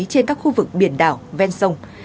trên các khu vực biển đảo ven sông